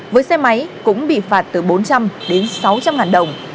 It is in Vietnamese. với xe máy cũng bị phạt từ bốn trăm linh đến sáu trăm linh ngàn đồng